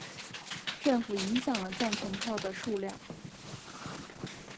政府影响了赞成票的数量。